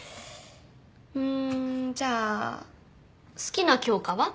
うんじゃあ好きな教科は？